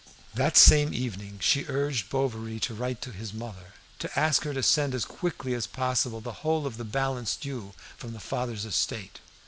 That same evening she urged Bovary to write to his mother, to ask her to send as quickly as possible the whole of the balance due from the father's estate.